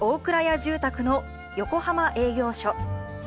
住宅の横浜営業所